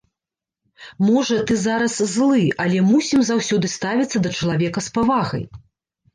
Можа, ты зараз злы, але мусім заўсёды ставіцца да чалавека з павагай!